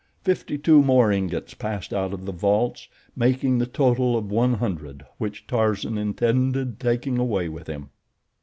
Fifty two more ingots passed out of the vaults, making the total of one hundred which Tarzan intended taking away with him.